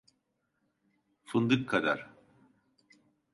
Fındık kadar…